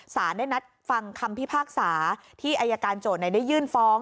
สารได้นัดฟังคำพิพากษาที่อายการโจทย์ได้ยื่นฟ้อง